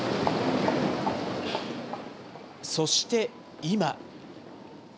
そして、今。